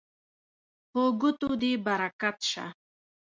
په ګوتو دې برکت شه